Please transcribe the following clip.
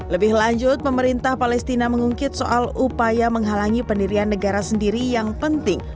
lebih lanjut pemerintah palestina mengungkit soal upaya menghalangi pendirian negara sendiri yang penting